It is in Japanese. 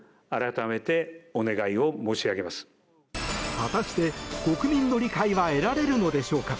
果たして、国民の理解は得られるのでしょうか？